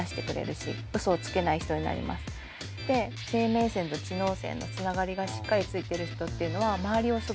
で生命線と知能線のつながりがしっかりついてる人っていうのは。